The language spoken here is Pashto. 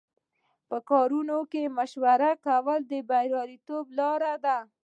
په کارونو کې مشوره کول د بریالیتوب لاره ده.